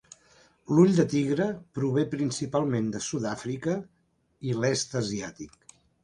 L'ull de tigre prové principalment de Sud-àfrica i l'est asiàtic.